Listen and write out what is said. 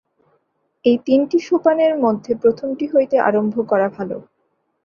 এই তিনটি সোপানের মধ্যে প্রথমটি হইতে আরম্ভ করা ভাল।